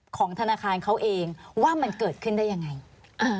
ของธนาคารเขาเองว่ามันเกิดขึ้นได้ยังไงอ่า